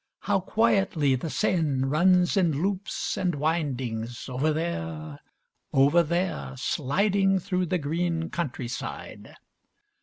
How quietly the Seine runs in loops and windings, over there, over there, sliding through the green countryside!